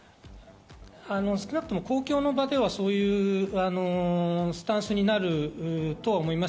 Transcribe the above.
少なくとも公共の場ではそういうスタンスになるとは思います。